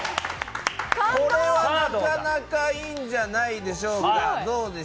これは、なかなかいいんじゃないでしょうか。